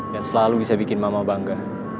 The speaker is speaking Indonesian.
dan selalu bisa bikin mama bangga